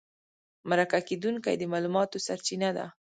مرکه کېدونکی د معلوماتو سرچینه ده.